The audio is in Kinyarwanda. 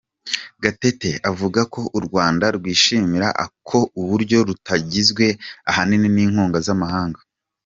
Gatete avuga ko u Rwanda rwishimira ako ubu rutagitunzwe ahanini n’inkunga z’amahanga.